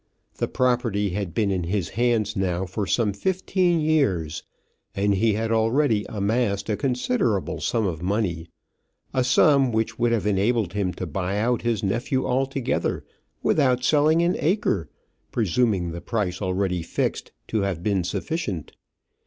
The property had been in his hands now for some fifteen years, and he had already amassed a considerable sum of money, a sum which would have enabled him to buy out his nephew altogether, without selling an acre, presuming the price already fixed to have been sufficient.